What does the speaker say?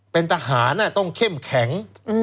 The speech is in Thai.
เป็นทหารต้องเข้มแข็ง